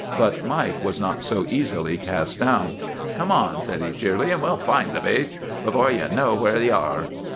But Mike was not so easily cast down. "'Come on,' said he cheerily, 'an' we'll find the bastes 'fore ye know where ye are.